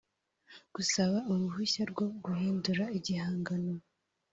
gusaba uruhushya rwo guhindura igihangano